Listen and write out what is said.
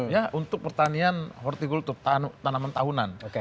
ya untuk pertanian hortikultub tanaman tahunan